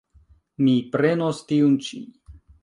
Mi prenos tiun ĉi.